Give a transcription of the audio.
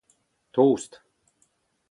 tost